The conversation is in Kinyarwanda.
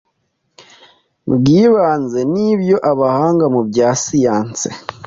bw’ibanze n’ibyo abahanga mu bya siyans